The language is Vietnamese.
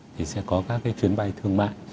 thì sẽ có các cái chuyến bay thương mại